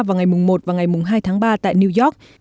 vào ngày một và ngày hai tháng ba tại new york